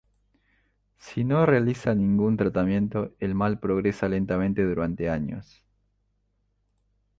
Si no se realiza ningún tratamiento el mal progresa lentamente durante años.